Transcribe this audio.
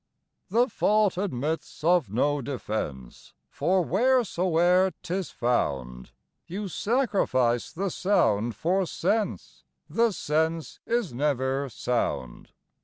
The fault admits of no defence, for wheresoe'er 'tis found, You sacrifice the sound for sense; the sense is never sound.